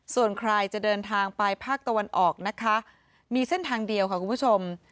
ส่วนใครจะเดินทางไปภาคตะวันออกนะคะมีเส้นทางเดียวค่ะคุณผู้ชม